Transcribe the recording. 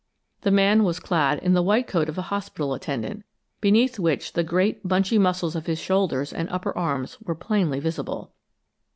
The man was clad in the white coat of a hospital attendant, beneath which the great, bunchy muscles of his shoulders and upper arms were plainly visible.